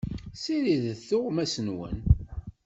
Ssiridet tuɣmas-nwen.